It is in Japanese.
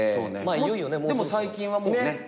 でも最近はもうね。